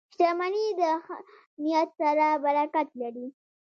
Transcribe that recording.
• شتمني د ښه نیت سره برکت لري.